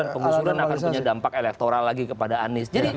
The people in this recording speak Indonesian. penggusuran akan punya dampak elektoral lagi kepada anies